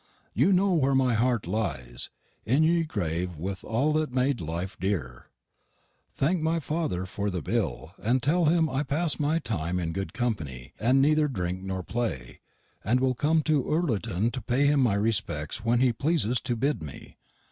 You know wear my harte lies in ye grave with all that made life dere. Thank my father for the Bill, and tell him I pass my time in good companie, and neether drink nor play; and will come to Ullerton to pay him my respeckts when he pleses to bid me.